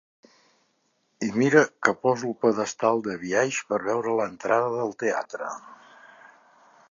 I mira que poso el pedestal de biaix per veure l'entrada del teatre.